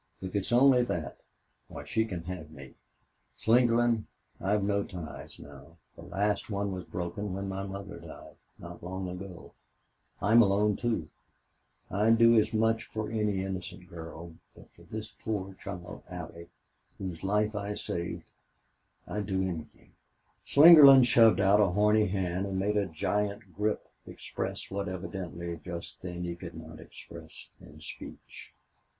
"If it's only that why she can have me.... Slingerland, I've no ties now. The last one was broken when my mother died not long ago. I'm alone, too.... I'd do as much for any innocent girl but for this poor child Allie whose life I saved I'd do anything." Slingerland shoved out a horny hand and made a giant grip express what evidently just then he could not express in speech.